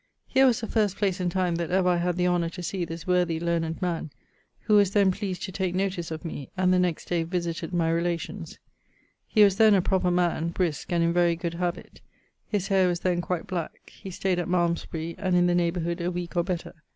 Here was the first place and time that ever I had the honour to see this worthy, learned man, who was then pleased to take notice of me, and the next day visited my relations. He was then a proper man, briske, and in very good habit. His hayre was then quite black. He stayed at Malmsbury and in the neighborhood a weeke or better.